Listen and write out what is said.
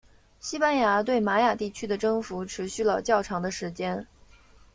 西班牙对玛雅地区的征服持续了较长的时间。